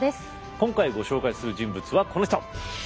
今回ご紹介する人物はこの人。